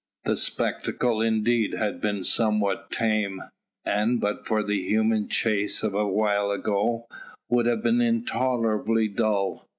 The spectacle indeed had been somewhat tame, and but for the human chase of a while ago, would have been intolerably dull.